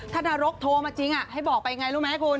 ถ้านรกโทรมาจริงให้บอกไปไงรู้ไหมคุณ